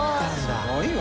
すごいわ。